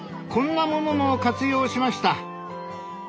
こんなものも活用しました。